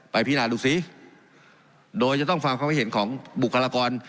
พินาดูซิโดยจะต้องฟังความคิดเห็นของบุคลากร